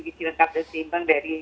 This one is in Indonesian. diri diri lengkap dan seimbang dari